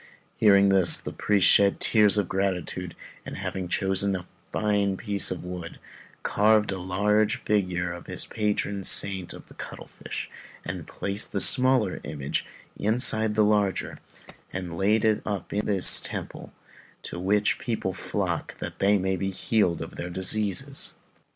] Hearing this, the priest shed tears of gratitude, and having chosen a piece of fine wood, carved a large figure of his patron saint of the cuttlefish, and placed the smaller image inside of the larger, and laid it up in this temple, to which people still flock that they may be healed of their diseases.